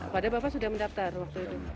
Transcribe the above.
padahal bapak sudah mendaftar waktu itu